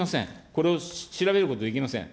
これを調べることはできません。